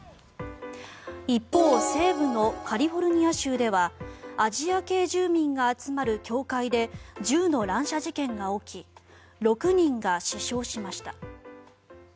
一方、西部のカリフォルニア州ではアジア系住民が集まる教会で銃の乱射事件が起き６人が死傷しました。